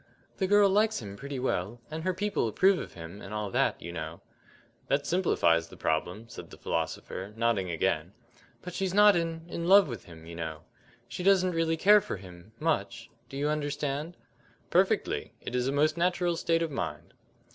"The girl likes him pretty well, and her people approve of him, and all that, you know." "That simplifies the problem," said the philosopher, nodding again. "But she's not in in love with him, you know. She doesn't really care for him much. Do you understand?" "Perfectly. It is a most natural state of mind."